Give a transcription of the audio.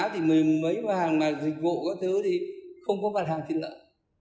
thì mấy hàng dịch vụ có thứ thì không có mặt hàng thịt lợn